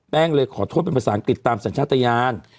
เลยขอโทษเป็นภาษาอังกฤษตามสัญชาติยาน